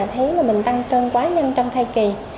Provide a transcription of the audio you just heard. thấy mình tăng cân quá nhanh trong thai kỳ